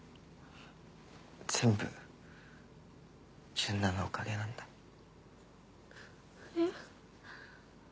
全部純奈のおかげなんだ。えっ？